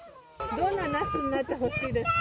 どんななすになってほしいですか。